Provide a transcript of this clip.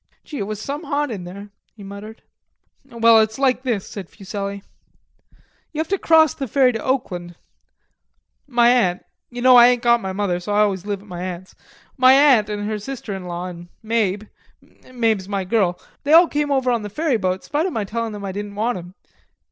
"Gee, it was some hot in there," he muttered. "Well, it's like this," said Fuselli. "You have to cross the ferry to Oakland. My aunt... ye know I ain't got any mother, so I always live at my aunt's.... My aunt an' her sister in law an' Mabe... Mabe's my girl... they all came over on the ferry boat, 'spite of my tellin' 'em I didn't want 'em.